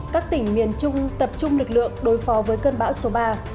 các tỉnh miền trung tập trung lực lượng đối phó với cơn bão số ba